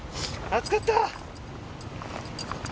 暑かった。